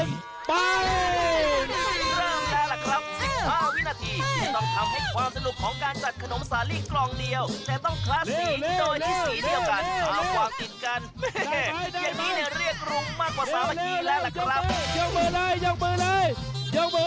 ต้องทำให้ความสนุกของการจัดขนมสาลีกลองเดียว